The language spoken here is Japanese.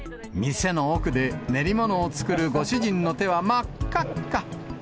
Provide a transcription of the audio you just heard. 店の奥で練り物を作るご主人の手は真っ赤っか。